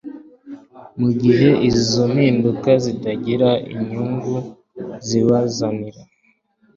mu gihe izo mpinduka zitagira inyungu zibazanira